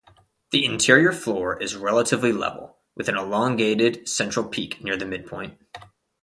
The interior floor is relatively level, with an elongated central peak near the midpoint.